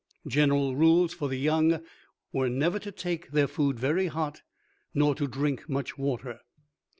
General rules for the young were never to take their food very hot, nor to drink much water.